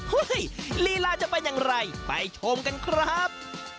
ลีลาจะเป็นอย่างไรไปชมกันครับ